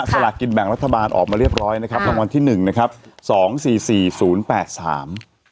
สลากกินแบ่งรัฐบาลออกมาเรียบร้อยนะครับรางวัลที่หนึ่งนะครับสองสี่สี่ศูนย์แปดสาม